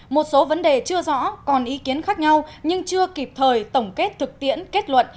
một số vấn đề chưa rõ còn ý kiến khác nhau nhưng chưa kịp thời tổng kết thực tiễn kết luận